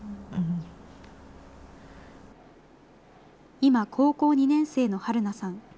今、高校２年生のはるなさん。